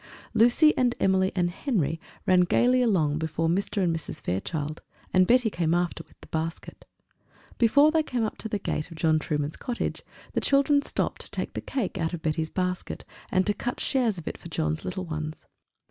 Lucy and Emily and Henry ran gaily along before Mr. and Mrs. Fairchild, and Betty came after with the basket. Before they came up to the gate of John Trueman's cottage, the children stopped to take the cake out of Betty's basket, and to cut shares of it for John's little ones.